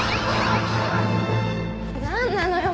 何なのよ